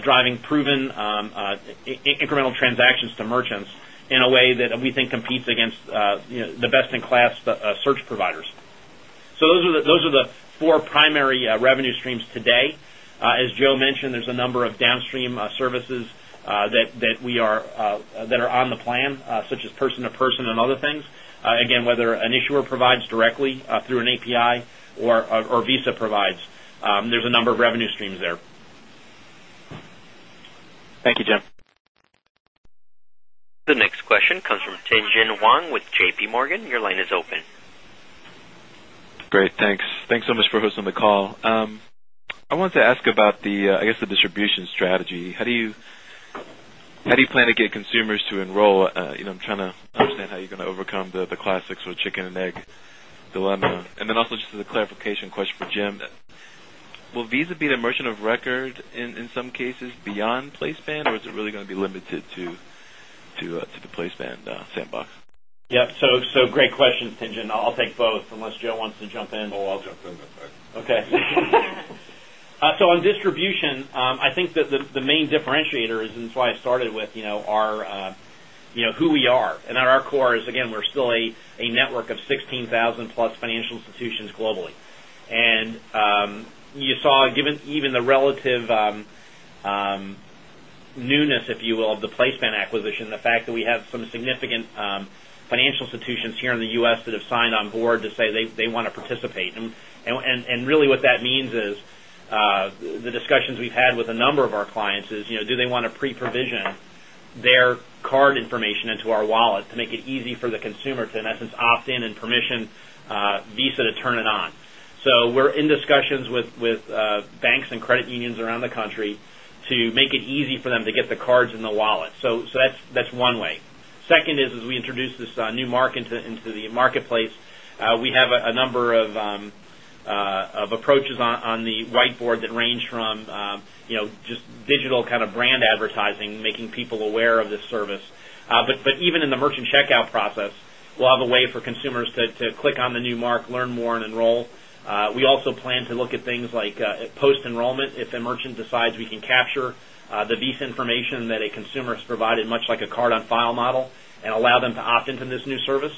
driving proven incremental transactions to merchants in a way that we think competes against the best-in-class search providers. Those are the four primary revenue streams today. As Joe mentioned, there's a number of downstream services that are on the plan, such as person-to-person and other things. Whether an issuer provides directly through an API or Visa provides, there's a number of revenue streams there. Thank you, Jim. The next question comes from Tianyi Wang with JPMorgan. Your line is open. Great. Thanks. Thanks so much for hosting the call. I wanted to ask about the distribution strategy. How do you plan to get consumers to enroll? I'm trying to understand how you're going to overcome the classic sort of chicken and egg dilemma. Also, just as a clarification question for Jim, will Visa be the merchant of record in some cases beyond PlaySpan, or is it really going to be limited to the PlaySpan sandbox? Yeah. Great questions, Tianyi. I'll take both unless Joe wants to jump in. I'll jump in. That's fine. Okay. On distribution, I think that the main differentiator is, and that's why I started with, you know, who we are. At our core is, again, we're still a network of 16,000-plus financial institutions globally. You saw, given even the relative newness, if you will, of the PlaySpan acquisition, the fact that we have some significant financial institutions here in the U.S. that have signed on board to say they want to participate. What that means is the discussions we've had with a number of our clients is, you know, do they want to pre-provision their card information into our wallet to make it easy for the consumer to, in essence, opt in and permission Visa to turn it on? We're in discussions with banks and credit unions around the country to make it easy for them to get the cards in the wallet. That's one way. Second is, as we introduce this new mark into the marketplace, we have a number of approaches on the whiteboard that range from, you know, just digital kind of brand advertising, making people aware of this service. Even in the merchant checkout process, we'll have a way for consumers to click on the new mark, learn more, and enroll. We also plan to look at things like post-enrollment if a merchant decides we can capture the Visa information that a consumer has provided, much like a card-on-file model, and allow them to opt into this new service.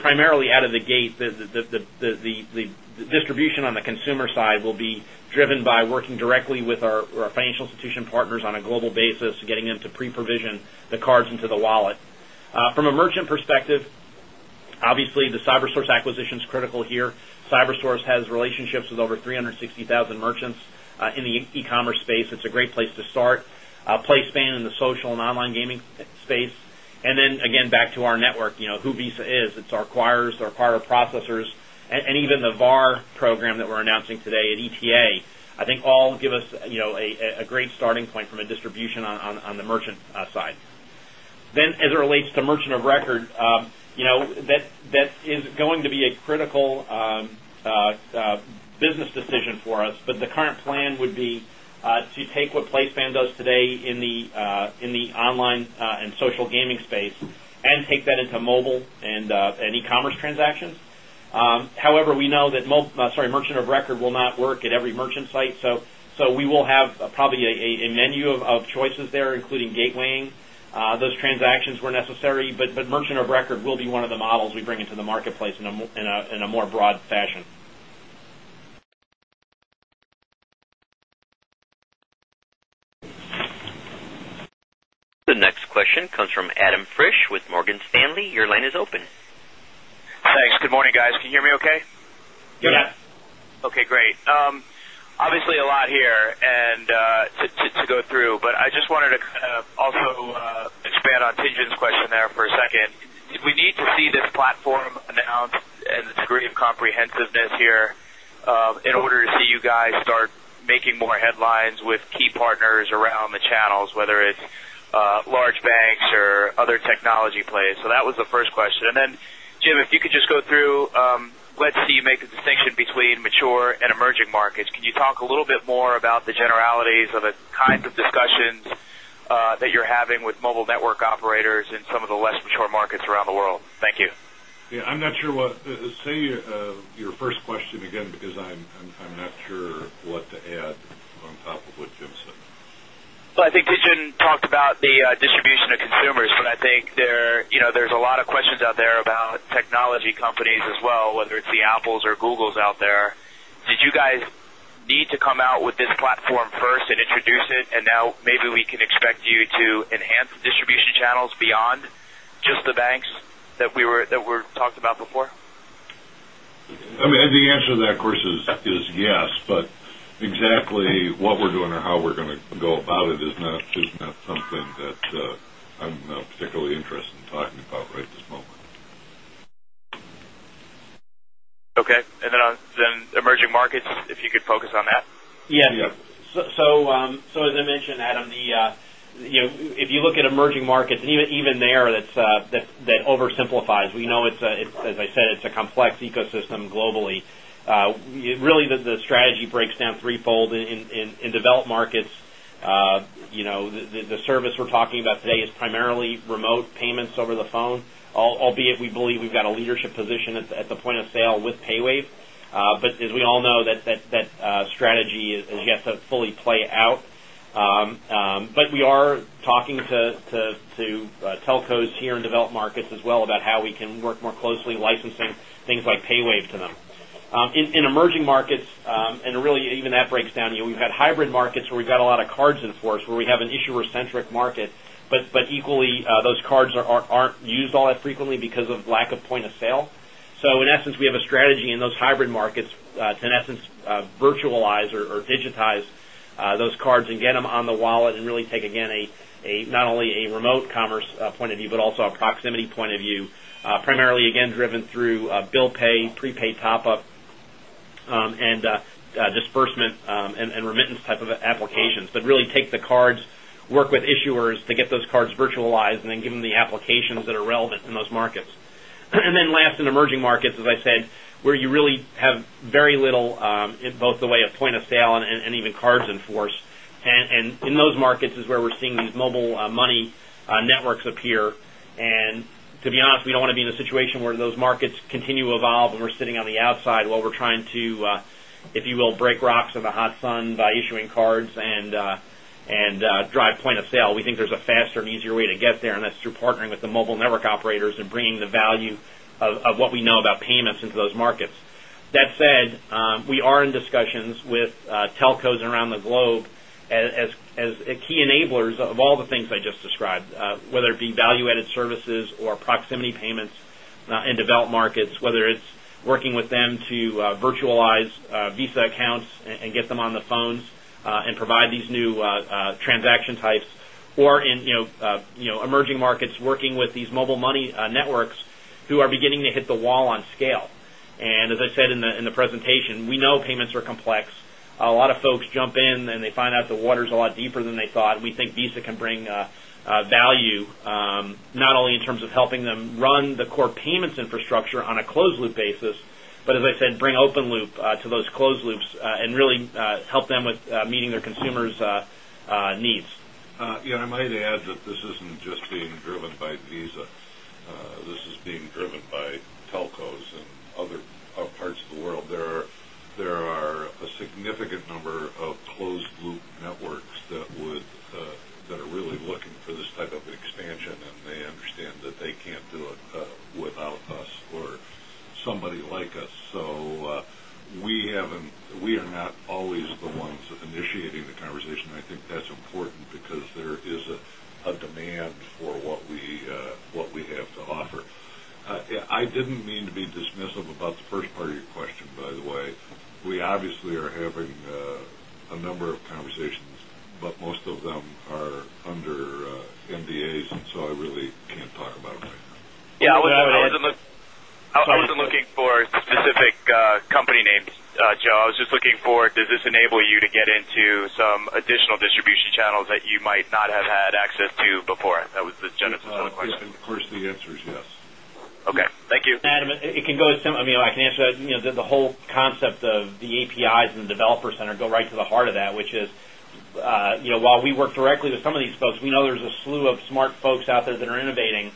Primarily, out of the gate, the distribution on the consumer side will be driven by working directly with our financial institution partners on a global basis, getting them to pre-provision the cards into the wallet. From a merchant perspective, obviously, the CyberSource acquisition is critical here. CyberSource has relationships with over 360,000 merchants in the e-commerce space. It's a great place to start. PlaySpan in the social and online gaming space. Back to our network, you know, who Visa is, it's our acquirers, our power processors, and even the VAR program that we're announcing today at ETA, I think all give us a great starting point from a distribution on the merchant side. As it relates to merchant of record, that is going to be a critical business decision for us. The current plan would be to take what PlaySpan does today in the online and social gaming space and take that into mobile and e-commerce transactions. However, we know that merchant of record will not work at every merchant site. We will have probably a menu of choices there, including gatewaying those transactions where necessary. Merchant of record will be one of the models we bring into the marketplace in a more broad fashion. The next question comes from Adam Frisch with Morgan Stanley. Your line is open. Thanks. Good morning, guys. Can you hear me okay? Yes. Okay. Great. Obviously, a lot here to go through. I just wanted to kind of also expand on Tianjin's question there for a second. Did we need to see this platform announced and the degree of comprehensiveness here in order to see you guys start making more headlines with key partners around the channels, whether it's large banks or other technology players? That was the first question. Jim, if you could just go through, let's see you make the distinction between mature and emerging markets. Can you talk a little bit more about the generalities of the kinds of discussions that you're having with mobile network operators in some of the less mature markets around the world? Thank you. I'm not sure. Say your first question again because I'm not sure what to add on top of what Jim said. I think we shouldn't talk about the distribution of consumers. I think there's a lot of questions out there about technology companies as well, whether it's the Apples or Googles out there. Did you guys need to come out with this platform first and introduce it? Now maybe we can expect you to enhance distribution channels beyond just the banks that we talked about before? The answer to that, of course, is yes. Exactly what we're doing or how we're going to go about it is not something that I'm particularly interested in talking about right this moment. Okay, if you could focus on emerging markets. Yeah. As I mentioned, Adam, if you look at emerging markets, and even there, that oversimplifies, we know it's, as I said, a complex ecosystem globally. Really, the strategy breaks down threefold in developed markets. The service we're talking about today is primarily remote payments over the phone, albeit we believe we've got a leadership position at the point of sale with payWave. As we all know, that strategy is yet to fully play out. We are talking to telcos here in developed markets as well about how we can work more closely, licensing things like payWave to them. In emerging markets, and really even that breaks down, we've had hybrid markets where we've got a lot of cards enforced, where we have an issuer-centric market. Equally, those cards aren't used all that frequently because of lack of point of sale. In essence, we have a strategy in those hybrid markets to, in essence, virtualize or digitize those cards and get them on the wallet and really take, again, not only a remote commerce point of view but also a proximity point of view, primarily, again, driven through bill pay, prepaid top-up, and disbursement and remittance type of applications. We really take the cards, work with issuers to get those cards virtualized, and then give them the applications that are relevant in those markets. Last, in emerging markets, as I said, where you really have very little, both the way of point of sale and even cards enforced. In those markets is where we're seeing these mobile money networks appear. To be honest, we don't want to be in a situation where those markets continue to evolve and we're sitting on the outside while we're trying to, if you will, break rocks in the hot sun by issuing cards and drive point of sale. We think there's a faster and easier way to get there, and that's through partnering with the mobile network operators and bringing the value of what we know about payments into those markets. That said, we are in discussions with telcos around the globe as key enablers of all the things I just described, whether it be value-added services or proximity payments in developed markets, whether it's working with them to virtualize Visa accounts and get them on the phones and provide these new transaction types, or in emerging markets, working with these mobile money networks who are beginning to hit the wall on scale. As I said in the presentation, we know payments are complex. A lot of folks jump in and they find out the water is a lot deeper than they thought. We think Visa can bring value, not only in terms of helping them run the core payments infrastructure on a closed-loop basis, but as I said, bring open loop to those closed loops and really help them with meeting their consumers' needs. I might add that this isn't just being driven by Visa. This is being driven by telcos and other parts of the world. There are a significant number of closed-loop networks that are really looking for this type of expansion, and they understand that they can't do it without us or somebody like us. We are not always the ones initiating the conversation. I think that's important because there is a demand for what we have to offer. I didn't mean to be dismissive about the first part of your question, by the way. We obviously are having a number of conversations, but most of them are under NDAs, and I really can't talk about it right now. Yeah, I wasn't looking for specific company names, Joe. I was just looking for, does this enable you to get into some additional distribution channels that you might not have had access to before? That was the genesis of the question. Of course, the answer is yes. Okay, thank you. Adam, it can go as simple. I mean, I can answer that. The whole concept of the APIs and the developer center go right to the heart of that, which is, while we work directly with some of these folks, we know there's a slew of smart folks out there that are innovating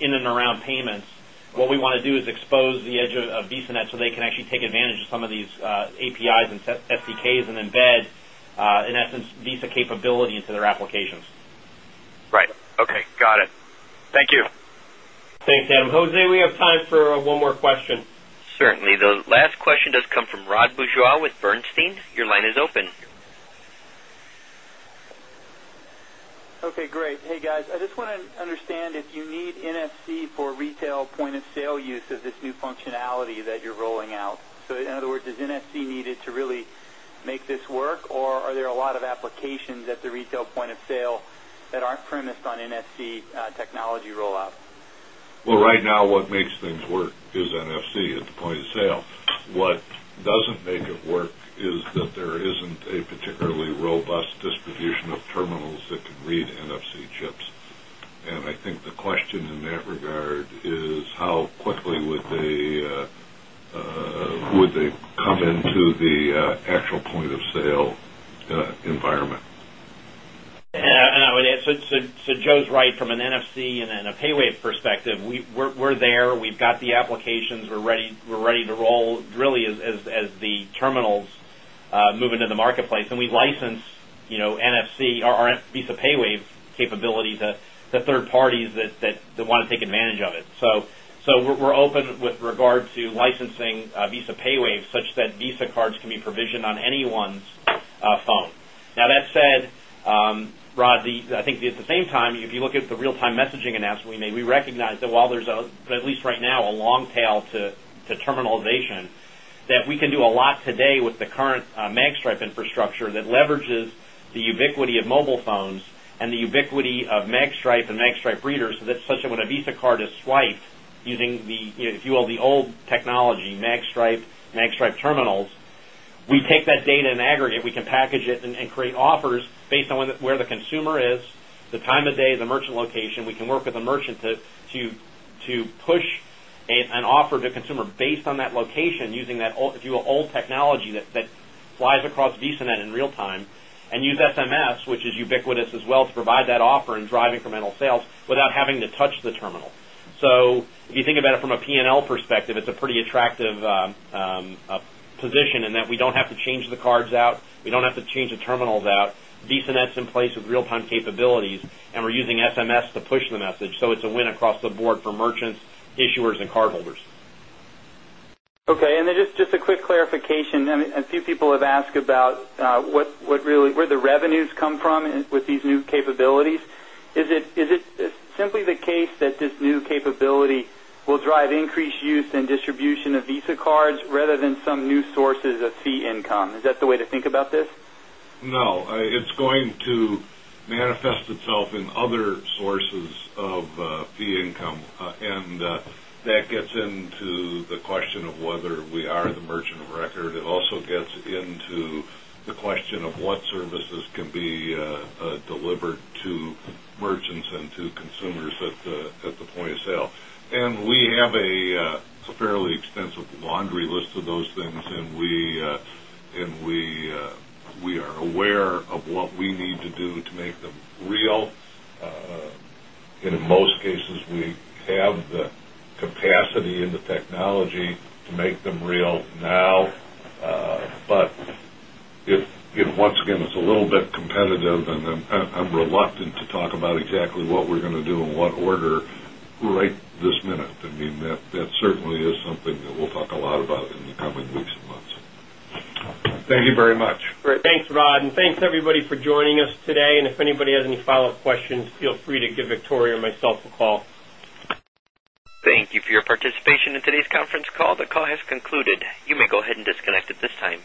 in and around payments. What we want to do is expose the edge of VisaNet so they can actually take advantage of some of these APIs and SDKs and embed, in essence, Visa capability into their applications. Right. Okay. Got it. Thank you. Thanks, Adam. Jose, we have time for one more question. Certainly. The last question does come from Rod Bourgeois with Bernstein. Your line is open. Okay. Great. Hey, guys. I just want to understand if you need NFC for retail point-of-sale use of this new functionality that you're rolling out. In other words, does NFC need it to really make this work, or are there a lot of applications at the retail point of sale that aren't premised on NFC technology rollout? Right now, what makes things work is NFC at the point of sale. What doesn't make it work is that there isn't a particularly robust distribution of terminals that can read NFC chips. I think the question in that regard is, how quickly would they come into the actual point-of-sale environment? I would add, Joe's right. From an NFC and a payWave perspective, we're there. We've got the applications. We're ready to roll, really, as the terminals move into the marketplace. We've licensed NFC or Visa payWave's capability to third parties that want to take advantage of it. We're open with regard to licensing Visa payWave such that Visa cards can be provisioned on anyone's phone. That said, Rod, I think at the same time, if you look at the real-time messaging announcement we made, we recognize that while there's at least right now a long tail to terminalization, we can do a lot today with the current MagStripe infrastructure that leverages the ubiquity of mobile phones and the ubiquity of MagStripe and MagStripe readers. That's such that when a Visa card is swiped using the, if you will, the old technology, MagStripe, MagStripe terminals, we take that data in aggregate. We can package it and create offers based on where the consumer is, the time of day, the merchant location. We can work with a merchant to push an offer to a consumer based on that location using that, if you will, old technology that lies across VisaNet in real time and use SMS, which is ubiquitous as well, to provide that offer and drive incremental sales without having to touch the terminal. If you think about it from a P&L perspective, it's a pretty attractive position in that we don't have to change the cards out. We don't have to change the terminals out. VisaNet's in place with real-time capabilities, and we're using SMS to push the message. It's a win across the board for merchants, issuers, and card holders. Okay. Just a quick clarification. A few people have asked about where the revenues come from with these new capabilities. Is it simply the case that this new capability will drive increased use and distribution of Visa cards rather than some new sources of fee income? Is that the way to think about this? No. It's going to manifest itself in other sources of fee income. That gets into the question of whether we are the merchant of record. It also gets into the question of what services can be delivered to merchants and to consumers at the point of sale. We have a fairly extensive laundry list of those things, and we are aware of what we need to do to make them real. In most cases, we have the capacity and the technology to make them real now. Once again, it's a little bit competitive, and I'm reluctant to talk about exactly what we're going to do and what order right this minute. That certainly is something that we'll talk a lot about in the coming weeks and months. Thank you very much. Great. Thanks, Rod. Thanks, everybody, for joining us today. If anybody has any follow-up questions, feel free to give Victoria and myself a call. Thank you for your participation in today's conference call. The call has concluded. You may go ahead and disconnect at this time.